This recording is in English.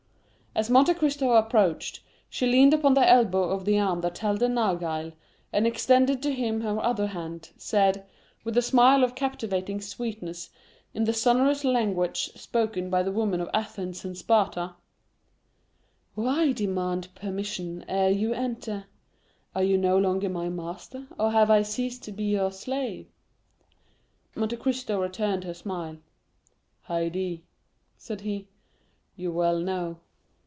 As Monte Cristo approached, she leaned upon the elbow of the arm that held the narghile, and extending to him her other hand, said, with a smile of captivating sweetness, in the sonorous language spoken by the women of Athens and Sparta: "Why demand permission ere you enter? Are you no longer my master, or have I ceased to be your slave?" Monte Cristo returned her smile. "Haydée," said he, "you well know."